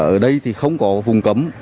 ở đây thì không có vùng cấm